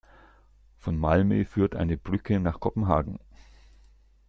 Von Malmö führt eine Brücke nach Kopenhagen.